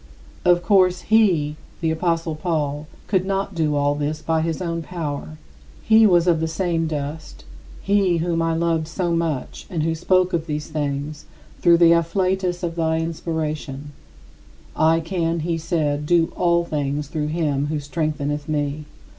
" Of course, he [the apostle Paul] could not do all this by his own power. He was of the same dust he whom I loved so much and who spoke of these things through the afflatus of thy inspiration: "I can," he said, "do all things through him who strengtheneth me."